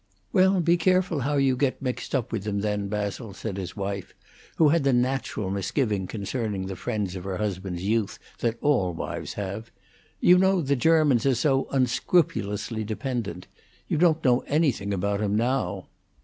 "Well, be careful how you get mixed up with him, then, Basil," said his wife, who had the natural misgiving concerning the friends of her husband's youth that all wives have. "You know the Germans are so unscrupulously dependent. You don't know anything about him now."